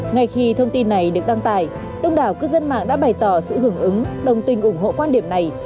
ngay khi thông tin này được đăng tải đông đảo cư dân mạng đã bày tỏ sự hưởng ứng đồng tình ủng hộ quan điểm này